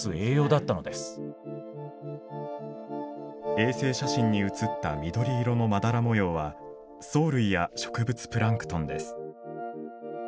衛星写真に写った緑色のまだら模様は藻類や植物プランクトンです。